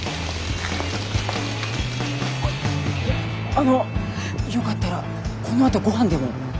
あのよかったらこのあとごはんでも。